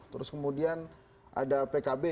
terus kemudian ada pkb